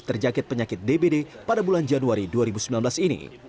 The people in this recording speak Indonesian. terjangkit penyakit dbd pada bulan januari dua ribu sembilan belas ini